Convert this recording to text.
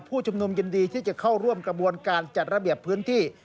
ผู้ชุมนุมยินดีที่จะเข้าร่วมกระบวนการจัดระเบียบพื้นที่